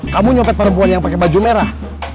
kamu nyopet perempuan yang pakai baju merah